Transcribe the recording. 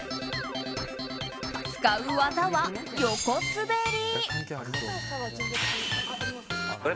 使う技は横滑り。